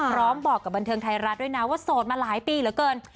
บอกกับบันเทิงไทยรัฐด้วยนะว่าโสดมาหลายปีเหลือเกิน